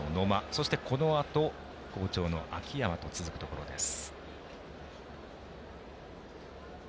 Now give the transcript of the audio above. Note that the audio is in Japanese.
そして、このあと好調の秋山と続くところです。